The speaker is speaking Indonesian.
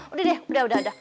udah deh udah udah ada